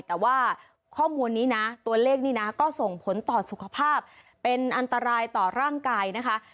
แต่ว่าข้อมูลนี้นะตัวเลขนี่นะก็ส่งผลต่อสุขภาพเป็นอันตรายต่อร่างกายนะคะ